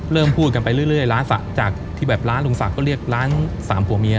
พูดกันไปเรื่อยร้านศักดิ์จากที่แบบร้านลุงศักดิ์ก็เรียกร้านสามผัวเมีย